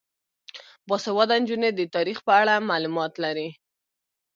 باسواده نجونې د تاریخ په اړه معلومات لري.